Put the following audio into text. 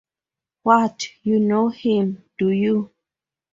What, you know him, do you?